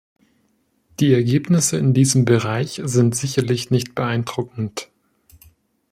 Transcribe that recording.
Die Ergebnisse in diesem Bereich sind sicherlich nicht beeindruckend.